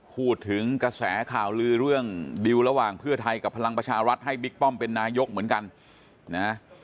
พูดถึงกระแสข่าวลือเรื่องดิวระหว่างเพื่อไทยกับพลังประชารัฐให้บิ๊กป้อมเป็นนายกเหมือนกันนะ